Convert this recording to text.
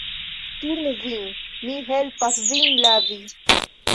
Turnu vin, mi helpas vin lavi.